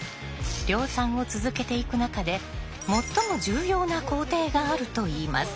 量産を続けていく中で最も重要な工程があるといいます。